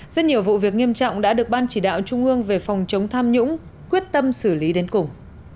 rất nhiều vụ việc nghiêm trọng đã được ban chỉ đạo trung ương về phòng chống tham nhũng quyết tâm xử lý đến cùng